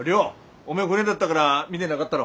おめえ船だったがら見てながったろ？